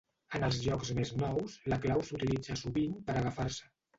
En els jocs més nous, la clau s'utilitza sovint per agafar-se.